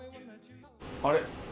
あれ？